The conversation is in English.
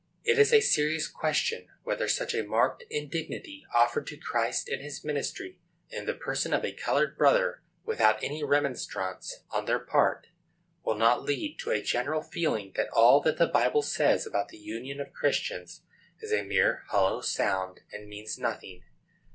It is a serious question, whether such a marked indignity offered to Christ and his ministry, in the person of a colored brother, without any remonstrance on their part, will not lead to a general feeling that all that the Bible says about the union of Christians is a mere hollow sound, and means nothing.